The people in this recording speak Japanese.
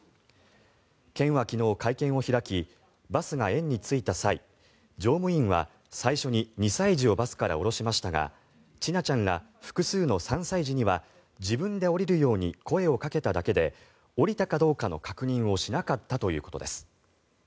県は昨日、会見を開きバスが園に着いた際乗務員は最初に２歳児をバスから降ろしましたが千奈ちゃんら複数の３歳児には自分で降りるように声をかけただけで降りたかどうかの確認をしなかったということです。